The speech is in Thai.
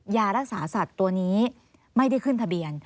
ยารักษาสัตว์ตัวนี้ไม่ได้ขึ้นทะเบียน